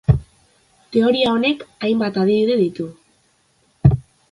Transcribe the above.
Teoria honek, hainbat adibide ditu.